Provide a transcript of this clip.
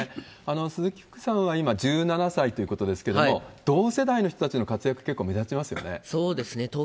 鈴木福さんは今、１７歳ということですけれども、同世代の人たちの活躍、そうですね。